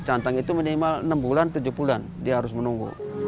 cantang itu minimal enam bulan tujuh bulan dia harus menunggu